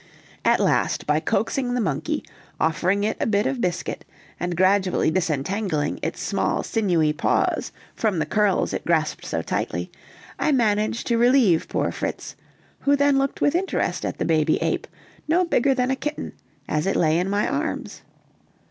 At last, by coaxing the monkey, offering it a bit of biscuit; and gradually disentangling its small sinewy paws from the curls it grasped so tightly, I managed to relieve poor Fritz, who then looked with interest at the baby ape, no bigger than a kitten, as it lay in my arms.